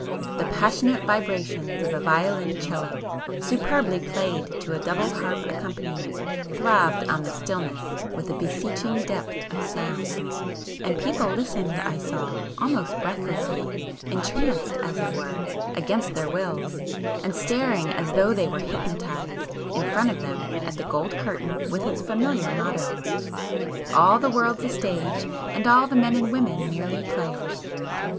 The passionate vibrations of a violoncello, superbly played to a double harp accompaniment, throbbed on the stillness with a beseeching depth of sound,—and people listened, I saw, almost breathlessly, entranced, as it were, against their wills, and staring as though they were hypnotized, in front of them at the gold curtain with its familiar motto— "All the world's a stage And all the men and women merely players."